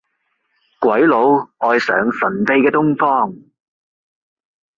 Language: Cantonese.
鬼佬愛上神秘嘅東方